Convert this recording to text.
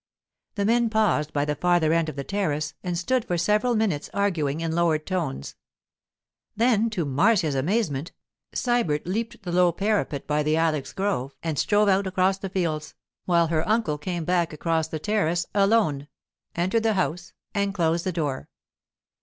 The men paused by the farther end of the terrace and stood for several minutes arguing in lowered tones. Then, to Marcia's amazement, Sybert leaped the low parapet by the ilex grove and struck out across the fields, while her uncle came back across the terrace alone, entered the house, and closed the door.